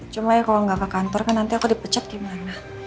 cuma ya kalau nggak ke kantor kan nanti aku dipecat gimana